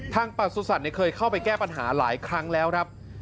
ทางปรัสุทธิ์ศัตรูเนี่ยเขาไปแก้ปัญหาหลายครั้งแล้วครับ